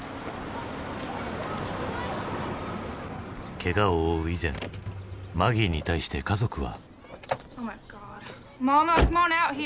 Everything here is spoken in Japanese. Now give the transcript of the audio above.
けがを負う以前マギーに対して家族は。